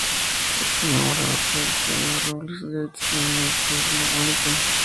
Es conmemorado por el Premio Ruggles Gates, de la Universidad Mount Allison.